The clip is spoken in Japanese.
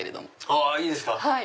あいいですか！